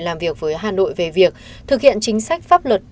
làm việc với hà nội về việc thực hiện chính sách pháp luật